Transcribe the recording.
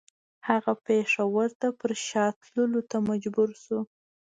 هغه پېښور ته پر شا تللو ته مجبور شو.